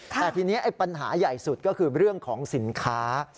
แต่ทีนี้ปัญหาใหญ่สุดก็คือเรื่องของสินค้า